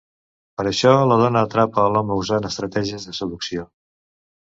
Per a això la dona atrapa a l'home usant estratègies de seducció.